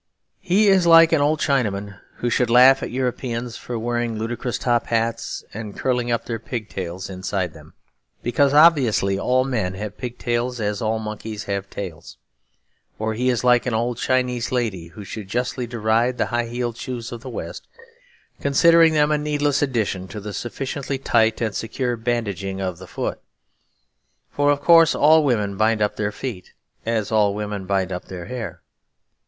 He is like an old Chinaman who should laugh at Europeans for wearing ludicrous top hats and curling up their pig tails inside them; because obviously all men have pig tails, as all monkeys have tails. Or he is like an old Chinese lady who should justly deride the high heeled shoes of the West, considering them a needless addition to the sufficiently tight and secure bandaging of the foot; for, of course, all women bind up their feet, as all women bind up their hair.